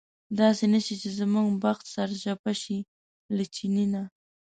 داسې نه شي چې زموږ بخت سرچپه شي له چیني نه.